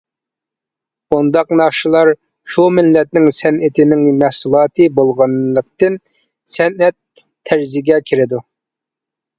بۇنداق ناخشىلار شۇ مىللەتنىڭ سەنئىتىنىڭ مەھسۇلاتى بولغانلىقتىن «سەنئەت» تەرزىگە كىرىدۇ.